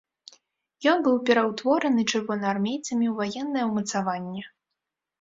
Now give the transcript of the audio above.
Ён быў пераўтвораны чырвонаармейцамі ў ваеннае ўмацаванне.